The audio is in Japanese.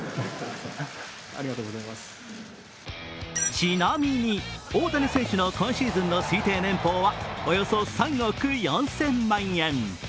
ちなみに、大谷選手の今シーズンの推定年俸はおよそ３億４０００万円。